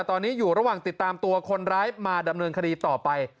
ตอนนี้อยู่ระหว่างติดตามตัวคนร้ายมาดำเนินคดีต่อไป